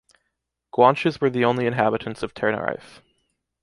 Guanches were only the inhabitants of Tenerife.